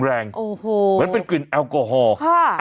โอ้โหค่ะเหมือนเป็นกลิ่นแอลกอฮอล์